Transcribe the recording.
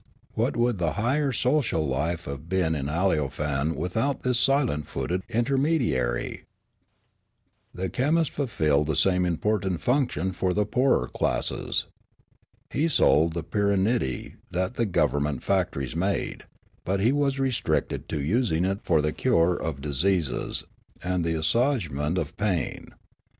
What would the higher social life have been in Aleofane without this silent footed intermediary ! The chemist fulfilled the same important function for the poorer classes. He sold the pyrannidee that the government factories made ; but he was restricted to using it for the cure of disease and the assuagement of ])ain.